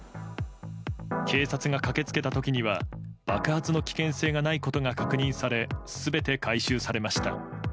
警察が駆け付けた時には爆発の危険性がないことが確認され全て回収されました。